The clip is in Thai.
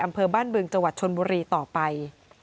อำเภอบ้านบึงจังหวัดชนบุรีต่อไป